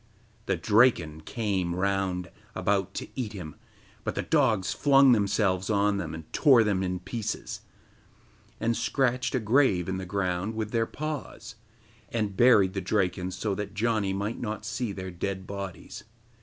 The Draken came round about to eat him, but the dogs flung themselves on them and tore them in pieces, and scratched a grave in the ground with their paws, and buried the Draken so that Janni might not see their dead bodies.